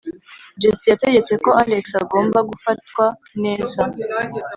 Jessie yategetse ko Alex agomba gufatwa neza